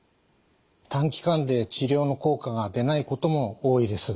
短期間で治療の効果が出ないことも多いです。